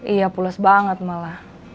iya pulas banget malah